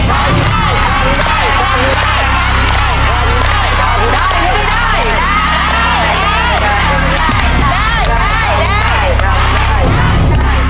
ทำอยู่ได้หรือไม่ได้